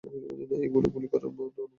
এখনো গুলি করার অনুমতি বহাল আছে?